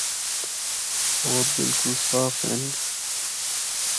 ہور بالکل صاف ہن۔